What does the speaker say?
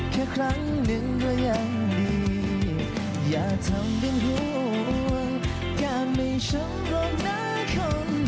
หอมครั้งที่หนึ่งเพราะฉีนหอดหลายหอมครั้งที่สองเพราะว่าหักหลาย